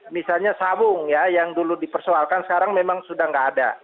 misalnya sawung ya yang dulu dipersoalkan sekarang memang sudah tidak ada